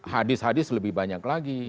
hadis hadis lebih banyak lagi